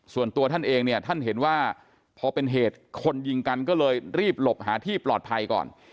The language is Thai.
ส่วนตัวท่านเองเนี่ยท่านเห็นว่าพอเป็นเหตุคนยิงกันก็เลยรีบหลบหาที่ปลอดภัยก่อน